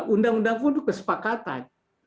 undang undang pun itu kesepakatan